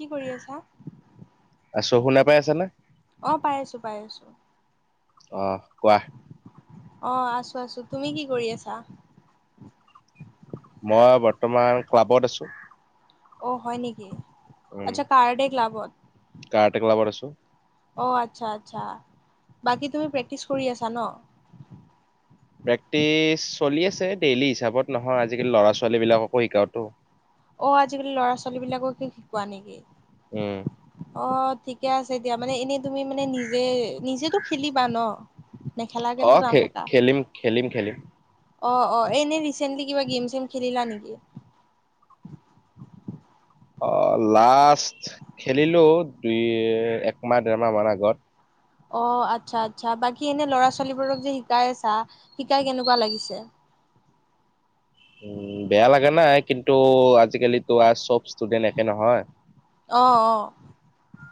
কি কৰি আছা? আছো, শুনা পাই আছা নে? অ' পাই আছো পাই আছো। অহ কোৱা? অহ আছো আছো। তুমি কি কৰি আছা? মই বৰ্তমান ক্লাবত আছো। অহ হয় নেকি? উম, আচ্ছা কাৰাটে ক্লাবত। কাৰাটে [unintelligible] অহ আচ্ছা আচ্ছা বাকী তুমি প্ৰেক্টিচ কৰি আছা ন? প্ৰেক্টিচ চলি আছে ডেইলি হিচাপত নহয়, আজিকালি ল'ৰা ছোৱালী বিলাককো শিকাওঁতো। অ' আজিকালি ল'ৰা ছোৱালী বিলাকক শিকোৱা নেকি? উম অ' ঠিকে আছে দিয়া মানে এনেই তুমি মানে নিজে নিজেতো খেলিবা ন? নেখেলাকেনো অহ খে খেলিম খেলিম খেলিম। অহ অহ এনেই ৰিচেন্টলি কিবা গেম চেম খেলিলা নেকি? অহ লাষ্ট খেলিলো দুই একমাহ দেৰমাহ মান আগত। অহ আচ্ছা আচ্ছা বাকী এনে ল'ৰা ছোৱালীবোৰক যে শিকাই আছা শিকাই কেনেকুৱা লাগিছে? উম বেয়া লাগা নাই কিন্তু আজিকালিতো আৰু চব ষ্টুডেণ্ট একে নহয়। অ' অ'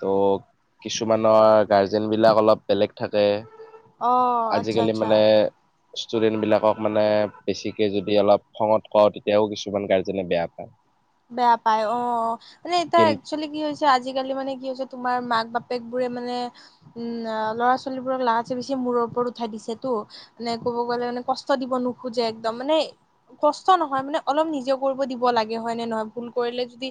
ত' কিছুমানৰ গাৰ্জেন বিলাক অলপ বেলেগ থাকে অ' আচ্ছা আজিকালি আচ্ছা। মানে ষ্টুডেন্ট বিলাকক মানে বেছিকে যদি অলপ খঙত কওঁ তেতিয়াও কিছুমান গাৰ্জেনে বেয়া পায়। বেয়া পাই অ' মানে এতিয়া কিন একচুৱেলি কি হৈছে আজিকালি মানে কি হৈছে তোমাৰ মাক বাপেক বোৰে মানে উম ল'ৰা ছোৱালী বোৰক লাগাতচে বেছি মূৰৰ ওপৰত উঠাই দিছেটো, মানে ক'ব গলে মানে কষ্ট দিব নোখোজে একদম। মানে কষ্ট নহয় মানে অলপ নিজেওঁ কৰিব দিব লাগে। হয় নে নহয় ভুল কৰিলে যদি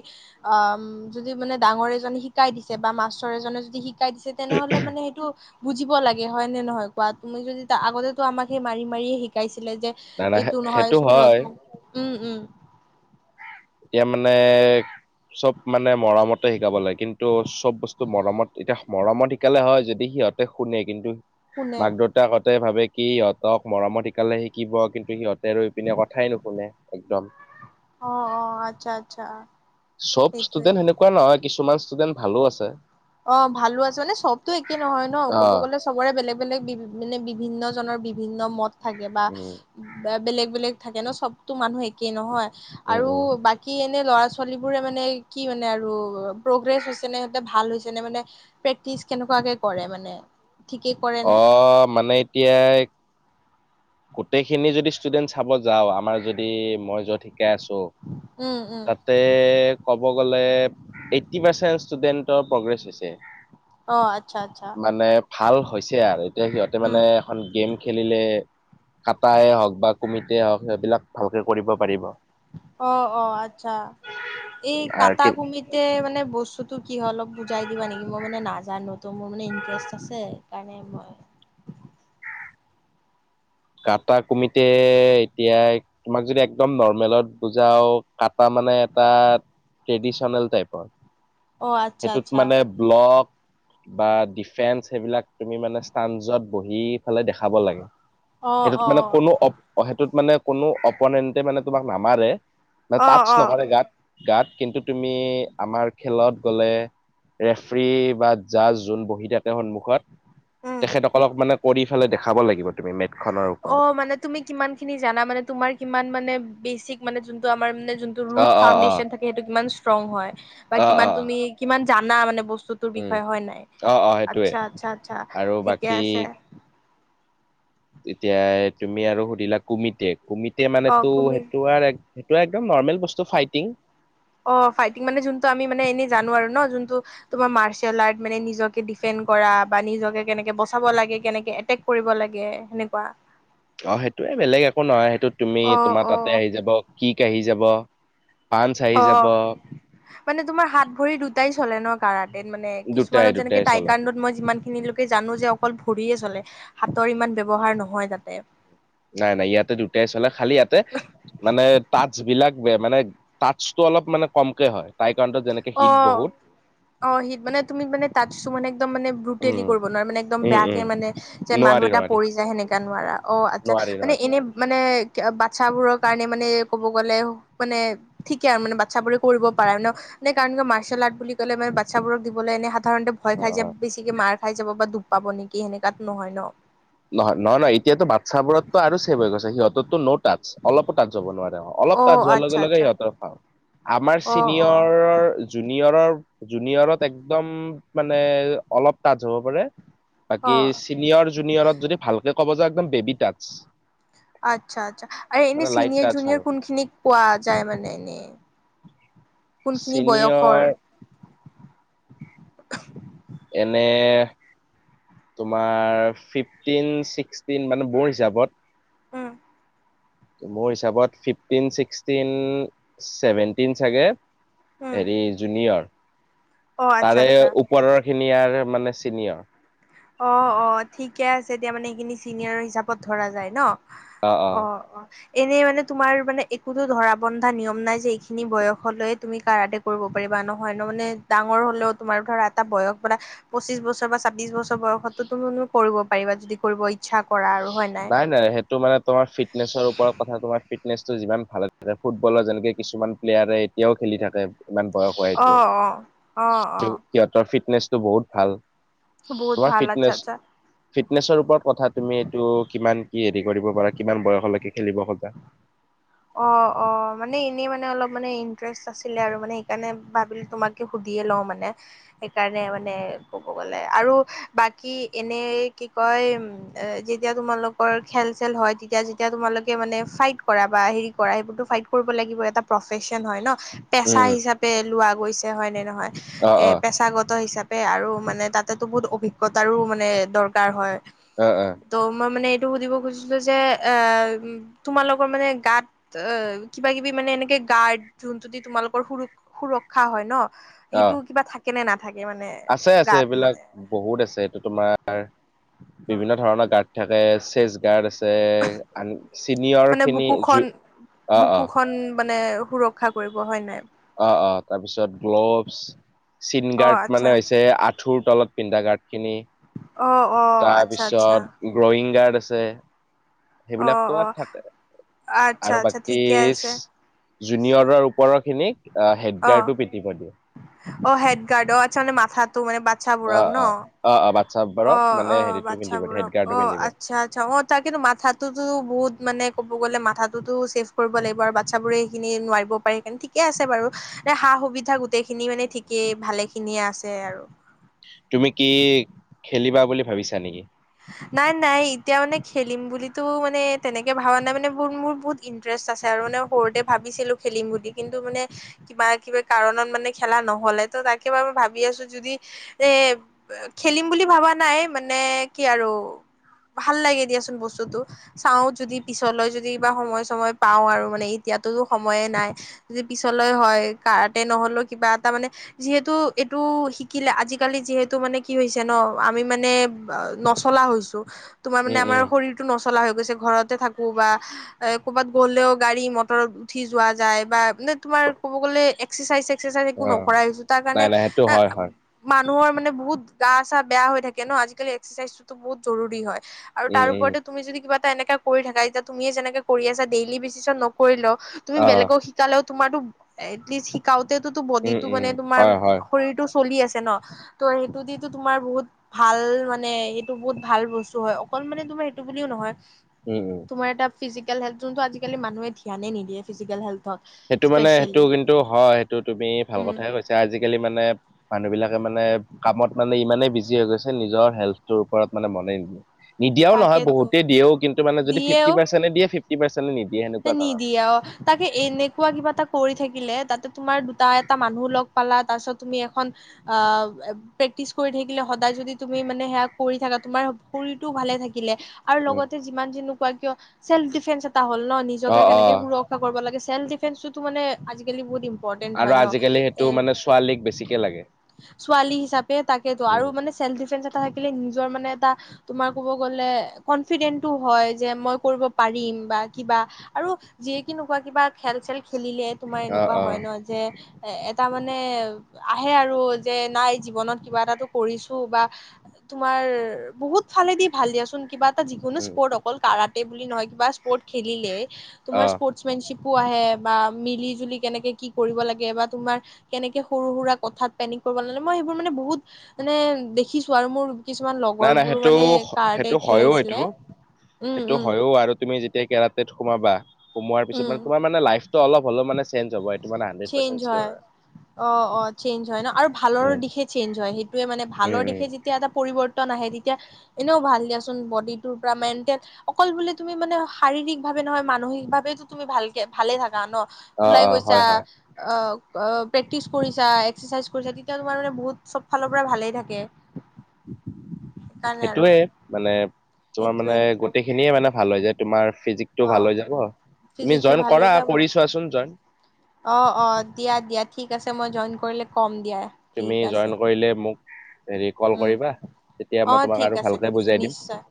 অহ যদি মানে ডাঙৰ এজনে শিকাই দিছে বা মাষ্টাৰ এজনে যদি শিকাই তেনেহলে মানে সেইটো। বুজিব লাগে হয় নে নহয় কোৱা? তুমি যদি আগতে আমাক সেই মাৰি মাৰিয়ে শিকাইছ ছিল যে নানা এইটো নহয় সেইটো হয় স্কুলতো উম-উম। এতিয়া মানে চব মানে মৰমতে শিকাব লাগে। কিন্তু চব বস্তু মৰমত এতিয়া মৰমত শিকালে হয় যদি সিহঁতে শুনে কিন্তু শুনে মাক-দেউতাক কতে ভাবে সিহঁতক মৰমত শিকালে শিকিব কিন্তু সিহঁত ৰৈ পিনে কথাই নুশুনে। একদম। অ অ আচ্ছা আচ্ছা চব সেইটোয়ে ষ্টুডেন্ট হেনেকুৱা নহয়। কিছুমান ষ্টুডেন্ট ভালো আছে। অ ভালো আছে মানে চবতো একে নহয় ন অ ক'ব গলে চবৰে বেলেগ-বেলেগ বি মানে বিভিন্ন জনৰ বিভিন্ন মত থাকে বা উম বে বেলেগ বেলেগ থাকে ন চবতো মানুহ একেই নহয়। উম আৰু উম বাকী এন ল'ৰা-ছোৱালীবোৰে মানে কি মানে আৰু প্ৰগ্ৰেছ হৈছে নে সিহঁতে ভাল হৈছ যেনে মানে প্ৰেক্টিচ কেনেকুৱাকে কৰে মানে ঠিকেই কৰে নে অ মানে এতিয়া এইক গোটেই খিনিযদি ষ্টুডেন্ট চাব যাওঁ, আমাৰ যদি মই য'ত শিক কে আছো উম উম তাতে কব ব গ'লে আইটি পাৰ্চন ষ্টুডেণ্টৰ প্ৰগ্ৰেছ হৈছে। অ আচ্ছা আচ্ছা মানে ভাল হৈছে আৰু এতিয়া সিহঁতে উম মানে এখন গেম খেলিলে খাতায়ে হওক বা কুমিট কে হওঁক সেইবিলাক ভালকে কৰিব পাৰিব। অ অ আচ্ছা এই আৰু কাটা কুমিতে মানে বস্তু টো কি হয় অলপ বুজাই দিবা নেকি? মই মানে নাজানো ত মোৰ মানে ইণ্টাৰেষ্ট আছে সেকাৰণে মই কাটা কুমিতে এতিয়া তোমাক যদি একদম নৰ্মেলত বুজাও কাটা মানে এটা ট্ৰেডিচনেল টাইপৰ। অ আচ্ছা সেইটোত আচ্ছা মানে ব্লক বা ডিফেন্স সেইবিলাক তুমি মানে চানজত বহি পেলাই দেখাব লাগে। অ সেইটোত অ মানে কোনো অ সেইটোত মানে কোনো অপনেন্টে মানে তোমাক নামাৰে। মানে অ তচ অ নকৰে গাত, গাত কিন্তু তুমি আমাৰ খেলত গ'লে ৰেফ্ৰী বা জাজ যোন বহি থাকে সন্মুখত উম তেখেতসকলক মানে, কৰি ইফালে দেখাব লাগিব তুমি মেট অ', মানে তুমি কিমান খিনি জানা মানে তোমাৰ কিমান মানে বেচিক মানে যোনটো আমাৰ মানে জুনটো অ ৰোট অ অ ফাউণ্ডেচন থাকে সেইটো কিমান ষ্ট্ৰং হয় বা অ অ কিমান তুমি কিমান জানা মানে বচ বস্তুটোৰ উম বিষয়ে হয় নাই, অ অ সেইটোৱে আচছা, আচছা- আচছা আৰু ঠিকে আছে। তেতিয়াই তুমি আৰু সুধিলা কুমিতেক কুমিতে অ মানেটো, কুমি সেইটো আৰু এক সেইটো আৰু একদম নৰ্মেল বস্তু ফাইটিং। অঁ ফাইটিং মানে জোনটো আমি মানে এনে জানো আৰু ন জোনটো তোমাৰ মাৰ্চিয়েল আৰ্ট মানে নিজকে দিফেণ্ড কৰা বা নিজকে কেনেকে বচাব লাগে, কেনেকে এটেক কৰিব লাগে, শেনেকুৱা। অঁ সেইটোয়ে বেলেগ একো নহয় সেইটো তুমি অ তোমাৰ অ তাতে আহি যাব কিক আহি যাব। পাঁচ আহি যাব অঁ মানে তোমাৰ হাত ভৰি দুটাই চলে ন। কাৰণ [unintelligible] মানে দুটাই কিছুমানত দুটাই যেনেকে চলক টাইকাণ্ডত মই যিমান খিনিলৈকে জানো যে অকল ভৰিয়ে চলে, হাতৰ ইমান ব্যৱহাৰ নহয় তাতে। নাই-নাই ইয়াতে দুটাই চলে খালি ইয়াতে মানে টাটচ বিলাক বে মানে টাতছটো অলপ মানে কমকে হয় তাই কাৰণত যেনেকে হিট অ' বহুত -অ' হিট মানে তুমি মানে তাতছটো মানে একদম মানে ব্ৰোটেলি উম কৰিব নোৱাৰা মানে একদম উম উম বেয়াকে মানে যেন মানুহ নোৱাৰি এটা নোৱাৰি পৰি যায় সেনেকা নোৱাৰা। অঁ, আচ্ছা নোৱাৰি মানে নোৱাৰি এনে মানে বাচ্ছাবোৰৰ কাৰণে মানে ক'ব গ'লে মানে ঠিকে আৰু মানে বাচ্ছা বোৰে কৰিব পাৰা মানে এ কাৰণ কি মাৰ্চেল আৰ্ট বুলি ক'লে মানে বাচ্ছাবোৰক দিবলৈ এনে সাধৰণতে ভয় অ খাই অ যায়, বেছিকে মাৰ্ খাই যাব বা দূপ পাব নেকি, সেনেকাটো নহয় ন। নহয় নহয় নহয় ত' নট তাতছ, অলপো তাতচ হ'ব নোৱাৰে অ, অলপ টাটচ হোৱাৰ আচ্ছা লগে- লগে আচ্ছা সিহঁতৰ খ আমাৰ অ অ চিনিয়ৰৰ জুনিয়ৰৰ জুনিয়ৰত এক্দম মানে অলপ টাটচ হ'ব পাৰে অ বাকী চিনিয়ৰ জুনিয়ৰত ভালকে ক'ব যা একদম বেবী টাতচ। আচ্ছা- আচ্ছা আৰু এনে চিনিয়ৰ টাচ আৰু জুনিয়ৰ কোন খিনিক পোৱা যায় মানে এনেই। [inaudible] চিনিয়ৰ এনে তোমাৰ ফিফটিন ছিক্সটিন মানে মোৰ হিচাপত উম। মোৰ হিচাপত ফিফটিন ছিক্সটিন চেভেনটিন চাগে উম হেৰি জুনিয়ৰ অ আচ্ছা তাৰে আচ্ছা ওপৰৰ খিনি আৰু মানে চিনিয়ৰ। অহ অহ ঠিকে আছে এতিয়া মানে এইখিনি চিনিয়ৰ হিচাপত ধৰা যায় ন। অ অ অঁ অঁ। এনেই মানে তোমাৰ মানে একোতো ধৰা বন্ধা নিয়ম নাই যে এইখিনি বয়সলৈ তুমি কাৰ আতে কৰিব পাৰিবা নহয় ন মানে ডাঙৰ হলেও তোমাৰ ধৰা এটা বয়স কলা পঁচিশ বছৰ বা চাবিশ বছৰ বয়সতো তুমি কৰিব পাৰিবা যদি কৰিব ইচ্ছা। কৰা আৰু হয় নাই নাই সেইটো মানে তোমাৰ ফিটনেচৰ ওপৰত কথা তোমাৰ ফিট ফিটনেছটো যিমান ভালে থাকে ফুটবলৰ যেনেকে কিছুমান প্লেয়াৰে এতিয়াও খেলি থাকে। ইমান বয়স অ হোৱাইটো অ অ অ [unintelligible] সিহঁতৰ ফিটনেছ টো বহুত ভাল বহুত তোমাৰ ভাল ফিটনেছ আচ্ছা-আচ্ছা। ফিটনেছৰ ওপৰত কথা তুমি অ, কিমান কি হেৰি কৰিব পাৰা কিমান বয়স বাকী খেলিব খোজা। অ', অ', মানে এনে মানে অলপ মানে ইন্টাৰেষ্ট আছিলে আৰু মানে সেইকাৰণে ভাবিলোঁ তোমাকে সুধিয়ে লওঁ মানে সেইকাৰণে মানে কব গলে আৰু বাকী এনে কি কয় যেতিয়া তোমালোকৰ খেল চেল হয় তেতিয়া যেতিয়া তোমালোকে মানে ফাইট কৰা বা হেৰি কৰা সেইবোৰতো ফাইট কৰিব লাগিব এটা প্ৰফেচন হয় ন' পেচা উম, হিচাপে লোৱা গৈছে হয় নে নহয়। অ', এ অ', পেছাগত হিচাপ পে আৰু মানে তাতেতো বহুত অভিজ্ঞতাৰো মানে দৰকাৰ হয়। অ', অ', ত' মই মানে এইটো সুধিব খুজিছিলোঁ যে এ তোমালোকৰ মানে গাত এ কিবা-কিবি মানে এনেকে গাৰ্ড যোনটোদি তোমালোকৰ সু -সুৰক্ষা হয় ন' সেইটো অ', কিবা থাক। কেনে না। আছে আছে এইবিলাক বহুত আছে এইটো তোমাৰ। অ বিভিন্ন ধৰণৰ গাত। থাকে চেচ গাৰ্ড। যে আন চিনিয়ৰ মানে খিনি বুকুখন জু অহ অহ। বুকুখন মানে সুৰক্ষা কৰিব হয় নাই। অহ অহ তাৰপিছত গ্ল'ভছ চিন অ গাৰ্ড আচ্ছা মানে হৈছে আঁঠুৰ তলত। পিন্ধা গাৰ্ডখিনি। অ অ আচ্ছা আচ্ছা তাপিছত গ্ৰয়িং গাৰ্ড আছে। অ সেইবিলাকতো অ আত থাকে, আচ্ছা আৰু আচ্ছা বাকী ঠিকে আছে জুনিয়ৰৰ ওপৰত খিনিক। আহ অ হেডগাৰ্টো পিটিব দিয়ে। অ' হেড গাৰ্ড অঁ, আচ্ছা মানে মাথাত। টো মানে বাচ্ছাবোৰক অ', ন অ', অ', অ', বাচ্ছাবোৰক অ' মানে অ' হেৰিটো পিন্ধিব দিয়ে, বাচ্ছাবোৰক হেডগাৰটো অ' পিন্ধিব দিয়ে। আচ্ছা আচ্ছা অ তাকেটু মাথাটোতো বহুত মানে ক'ব গ'লে মাথা তো ত ছেভ কৰিব লাগিব আৰু বাচ্ছ বোৰে সেইখিনি নোৱাৰিব পাৰে সেইকাৰনে ঠিকে আছে বাৰু যে সা সুবিধা গো গোটেইখিনি মানে ঠিকেই ভালে খিনিয়ে আছে আৰু। তুমি কি খেলিবা বুলি ভাবিছা নেকি? নাই নাই এতিয়া মানে খেলিম বুলিতো মানে তেনেকে ভবা নাই মানে বহুত মোৰ বহুত ইণ্টাৰেষ্ট আছে আৰু মানে সৰুতে ভাবিছিলো খেলিম বুলি, কিন্তু মানে কিবা কিবি কাৰণত মানে খেলা নহলে ত তাকে মই ভাবি আছো যদি এ খেলিম বুলি ভবা নাই মানে কি আৰু ভাল লাগে দিয়াচোন বস্তুতটো। চাওঁ যদি পিছলৈ যদি কিবা সময় চময় পাও আৰু মানে এতিয়াতো সময়ে নাই যদি পিছলৈ হয়, কাৰাতে নহ'লেও কিবা এটা মানে যিহেতু এইটো শিকিলে আজিকালি যিহেতু মানে কি হৈছে ন আমি মানে নচলা হৈছো। তোমাৰ মানে উম, আমাৰ উম, শৰীৰটো নষ্ চলা হৈ গৈছে ঘৰতে থাকো বা এ ক'বাত গ'লেও গাড়ী মটৰত উঠি যোৱা যায় বা নে তোমাৰ ক'ব গ'লে এক্সাৰচাইজ সেক্স এক্সাচাইজ একো অ', নকৰাই হৈছো তাৰ নাই, কাৰণে নাই সেইটো এ হয়, হয়, মাক নহয় মানে বহুত গা চা বেয়া হৈ থাকে ন' আজিকালি চাইজটো বহুত জৰুৰী হয়। আৰু উম, তাৰ উম, ওপৰতে তুমি যদি কিবা এনেকা কৰি থাকা এতিয়া তুমিয়ে যেনেকে কৰি আছা ডেইলি বেচিছত নকৰিলেও তুমি অ', বেলেগক শিকালেও তোমাৰটো এলিষ্ট শিকাও তেটোতো উম, বডিটো উম, মানে তোমাৰ হয়, হয়, শৰীৰটো চলি আছে ন' ত' সেইটো দিটো তোমাৰ বহুত ভাল মানে নে এইটো বহুত ভাল বস্তু হয়, অকল মানে তোমাৰ এইটো বুলিও নহয়। উম, উম। তোমাৰ এটা ফিজিকেল হেল্থ যোনটো আজিকালি মানুহে ধ্যানে নিদিয়ে, ফিজিকেল হেল্থ সেইটো মানে সেইটো কিন্তু হয়, সেইটো তুমি ভাল উম কথাইে কৈছা, আজিকালি মানে মানুহবিলাকে মানে কামত মানে ইমানেই বিজি হৈ গৈছে নিজৰ হেল্থটোৰ ওপৰত মানে মনেই নিদিয়ে। নিদিয়াও নহয় তাকেতো বহুতে দিয়েও, কিন্তু মানে যদি ফিফটি পাৰ্ছেন্তে দিয়ে, ফিফটি পাৰ্ছেন্তে নিদি নিদিয়াও, তাকে এনে কুবা কিবা এটা কৰি থাকিলে, তাতে তোমাৰ দুটা এটা মানুহ লগ পালা, তাৰ পিছত তুমি এখন আ' প্ৰেক্টিচ কৰি থাকিলে সদায় যদি তুমি মানে সেয়া কৰি থাকা তোমাৰ শৰীৰটোও ভালে থাকি থাকিলে আৰু উম, লগতে যিমান যি কোৱা কিয়, চেল্ফ ডিফেন্স এটা হল ন'। নিজকে অ', কেনেকে অ', সুৰক্ষা কৰিব লাগে চেল্ফ ডিফেন্ঞ্চোতো মানে আজিকালি বহুত ইম ইমপৰটেন্ট আৰু হয় আজিকালি সেইটো ন। মানে ছোৱালীক বেছিকে লাগে। ছোৱালী হিচাপে তাকে টো আৰু উম, মানে ছেলফ ডিফেঞ্ছেচ থাকিলে নিজৰ মানে এটা তোমাৰ ক'ব গ'লে কনফিডেন্টটো হয় যে মই কৰিব পাৰিম বা কিবা আৰু যিয়ে কি নোকোৱা কিবা খেল চেল খেলিলে তোমাৰ অ', এনেকুৱা অ', হয় ন যে এ তাৰ মানে আহে আৰু যে নাই জীৱনত কিবা এটা টো কৰিছো বা তোমাৰ বহুত ফালেদি ভাল দিয়াচোন কিবা এটা যিকোনো উম, স্পৰ্ট অকল কাৰা বুলি নহয় কিবা স্পৰ্ট খেলিলে তোমাৰ অ', স্পৰ্টমেনশ্বীপ পো আহে বা মিলি জুলি কেনেকে কি কৰিব লাগে বা তোমাৰ কেনেকে সৰু সুৰা কথাত পেনিক কৰিব নালাগে মই সেইবোৰ মানে বহুত মানে দেখিছো আৰু মোৰ কিছুমান নাই নাই লগৰবোৰো সেইটো মানে কাৰ্ডে সেইটো হয়ও খেলাইছিলে সেইটো উম সেইটো উম হয়ও আৰু তুমি যেতিয়া কেৰাটেত সোমাবা সোমোৱাৰ পিছত উম মানে তোমাৰ মানে লাইফ অলপ হলেওঁ মানে চেঞ্জ হ'ব এইটো মানে হাণ্ড্ৰেড চেঞ্জ পাৰ্চেণ্ট চিয়ৰ হয়, আৰু। অ' অ' চেঞ্জ হয় ন আৰু ভালৰ উম, দিশে চেঞ্জ হয় সেইটোয়ে মানে উম, ভালৰ উম, দিশে যেতিয়া এটা পৰিৱৰ্তন আহে তেতিয়া এনেও ভাল দিয়াছোন, বডিটোৰ পৰা মেণ্টেল অকল বোলে তুমি মানে শাৰীৰিক ভাৱে নহয় মানসিক ভাৱে তুমি ভালকে ভালে থাকা ন। অ' অ' চা হয় হয় অ'। অ' প্ৰেক্টিচ কৰিছা একচাৰচাইজ কৰিছা তেতিয়া তোমাৰ মানে বহুত চব ফালৰ পৰা ভালেই থাকে। সেইকাৰণে আৰু সেইটোয়ে মানে তোমাৰ সেইটোৱে মানে গোটেই খিনিয়ে মানে ভাল হয় যায় তোমাৰ ফিজিক টো অ ভাল হৈ যাব। তুমি ফিজিকটো জইন ভাল হৈ কৰা যাব কৰি চোৱাচোন [unintelligible] অ', অ' দিয়া-দিয়া ঠিক আছে মই জইন কৰিলে কম। দিয়া তুমি ঠিক আছে জইন কৰিলে মোক হেৰি কল উম কৰিবা। তেতিয়া মই অ' তোমাক ঠিক আৰু আছে ভালকে ঠিক আছে বুজাই দিম নিশ্চয়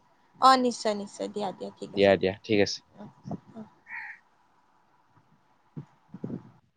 অ' নিশ্চয়-নিশ্চয়, দিয়া-দিয়া ঠিক আছে দিয়া দিয়া ঠিক আছে। উম। [inaudible]